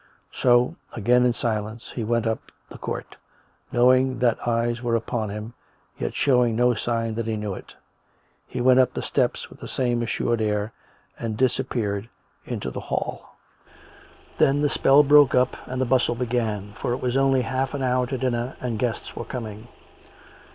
So, again in silence, he went up the court, knowing that eyes were upon him, yet showing no sign that he knew it; he went up the steps with the same assured air, and dis appeared into the hall. Then the spell broke up and the bustle began, for it was only half an hour to dinner and guests were coming.